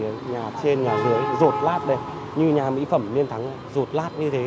nhà trên nhà dưới rột lát này như nhà mỹ phẩm liên thắng rột lát như thế